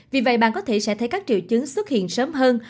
vì vậy bạn có thể sẽ thấy các triệu chứng xuất hiện sớm hơn